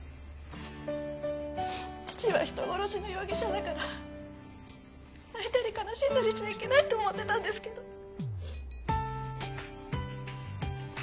父は人殺しの容疑者だから泣いたり悲しんだりしちゃいけないと思ってたんですけど。